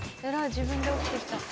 自分で起きてきた。